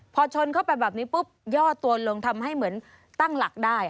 พอชนเข้าไปแบบนี้ปุ๊บย่อตัวลงทำให้เหมือนตั้งหลักได้